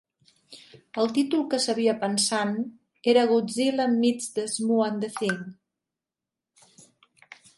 El títol que s'havia pensant era "Godzilla Meets the Shmoo and The Thing".